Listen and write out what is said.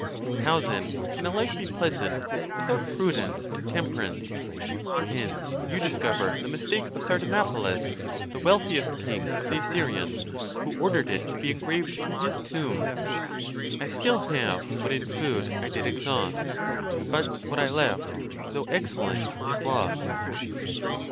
How, then, can a life be pleasant without prudence and temper ance? Hence you discover the mistake of Sardanapalus, the wealthiest king of the Assyrians, who ordered it to be engraved on his tomb, . I still have what in food I did exhaust; But what I left, though excellent, is lost.